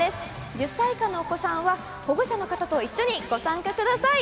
１０歳以下のお子さんは保護者の方と一緒にご参加ください。